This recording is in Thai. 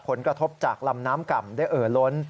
ผลกระทบจากลำน้ำก่ำได้เอ่อล้น